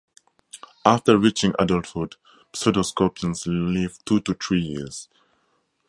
After reaching adulthood, pseudoscorpions live two to three years.